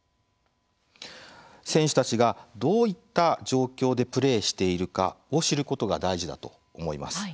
選手たちがどういった状況でプレーしているかを知ることが大事だと思います。